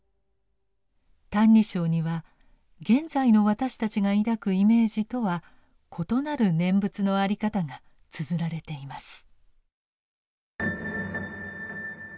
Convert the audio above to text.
「歎異抄」には現在の私たちが抱くイメージとは異なる念仏の在り方がつづられています。